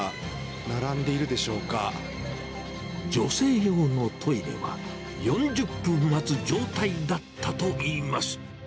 これ、女性用のトイレは、４０分待つ状態だったといいます。